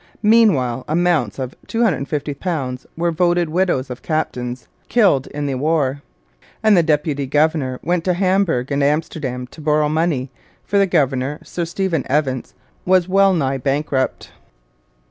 Meanwhile amounts of £250 were voted widows of captains killed in the war; and the deputy governor went to Hamburg and Amsterdam to borrow money; for the governor, Sir Stephen Evance, was wellnigh bankrupt.